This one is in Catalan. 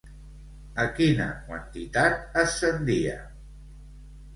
A quina quantitat ascendia?